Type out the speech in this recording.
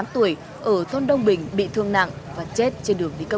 bốn mươi tám tuổi ở thôn đông bình bị thương nặng và chết trên đường đi cấp cứu